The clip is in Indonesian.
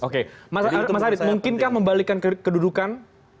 oke mas haris mungkinkah membalikkan kedudukan